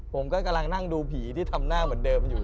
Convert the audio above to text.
ผมก็กำลังนั่งดูผีที่ทำหน้าเหมือนเดิมอยู่